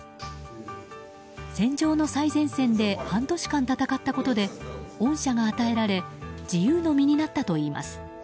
戦場の最前線で半年間戦ったことで恩赦が与えられ自由な身になったといいます。